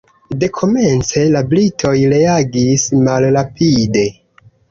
Dekomence la britoj reagis malrapide.